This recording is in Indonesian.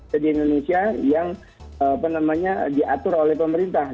jadi indonesia yang diatur oleh pemerintah